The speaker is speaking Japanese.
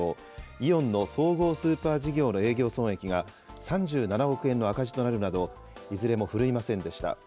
イオンの総合スーパー事業の営業損益が３７億円の赤字となるなど、いずれも振るいませんでした。